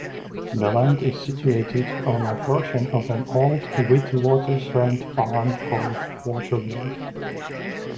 The land is situated on a portion of an old Witwatersrand farm called "Waterval".